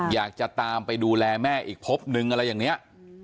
อยากจะตามไปดูแลแม่อีกพบนึงอะไรอย่างนี้